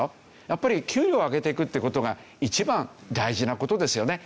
やっぱり給料を上げていくっていう事が一番大事な事ですよね。